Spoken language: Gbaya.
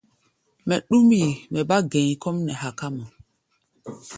Mɛ ɗúm yi, mɛ bá gɛ̧i̧ kɔ́ʼm nɛ haká mɔ.